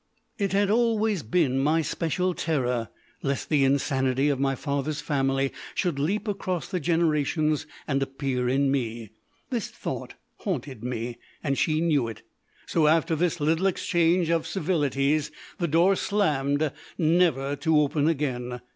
It had always been my special terror lest the insanity of my father's family should leap across the generations and appear in me. This thought haunted me, and she knew it. So after this little exchange of civilities the door slammed, never to open again.